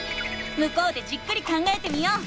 向こうでじっくり考えてみよう。